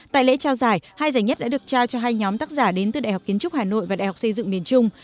tại lễ trao giải hai giải nhất đã được trao cho hai nhóm tác giả đến từ đại học kiến trúc hà nội và đại học xây dựng miền trung